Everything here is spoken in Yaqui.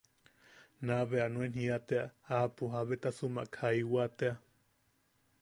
Nabea nuen jia tea aapo bea jabetasumak jaiwa tea.